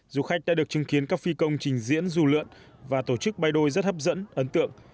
du khách đã được chứng kiến các phi công trình diễn dù lượn và tổ chức bay đôi rất hấp dẫn ấn tượng